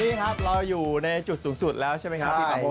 นี่ค่ะเราอยู่ในจุดสูงสุดแล้วใช่ไหมครับ